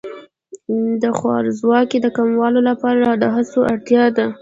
د خوارځواکۍ د کمولو لپاره د هڅو اړتیا ده.